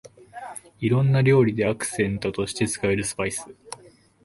いろんな料理でアクセントとして使えるスパイス